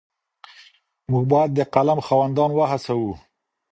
موږ بايد د قلم خاوندان وهڅوو.